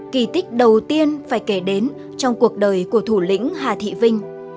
kỳ tích đầu tiên phải kể đến trong cuộc đời của thủ lĩnh hà thị vinh